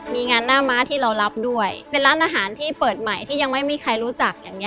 มีงานหน้าม้าที่เรารับด้วยเป็นร้านอาหารที่เปิดใหม่ที่ยังไม่มีใครรู้จักอย่างเง